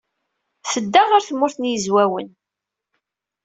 Tedda ɣer Tmurt n Yizwawen.